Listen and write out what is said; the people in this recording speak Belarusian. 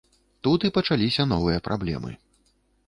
Тут і пачаліся новыя праблемы.